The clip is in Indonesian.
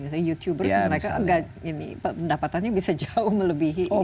misalnya youtubers mereka dapatannya bisa jauh melebihi orang aktor